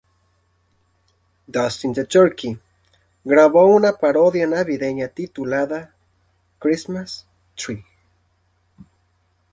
Dustin the Turkey grabó una parodia navideña titulada "Christmas Tree".